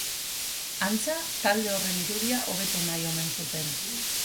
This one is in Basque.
Antza, talde horren irudia hobetu nahi omen zuten.